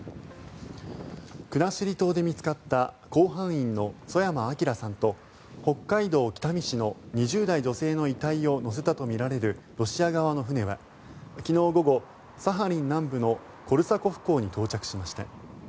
国後島で見つかった甲板員の曽山聖さんと北海道北見市の２０代女性の遺体を乗せたとみられるロシア側の船は昨日午後サハリン南部のコルサコフ港に到着しました。